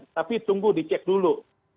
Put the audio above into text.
tapi tunggu dicek dulu